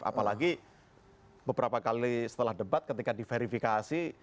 apalagi beberapa kali setelah debat ketika diverifikasi